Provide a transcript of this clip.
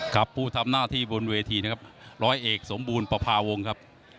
ผู้ทำหน้าที่บนเวทีนะครับร้อยเอกสมบูรณ์ประพาวงศ์ครับ